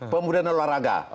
pemudaraan luar raga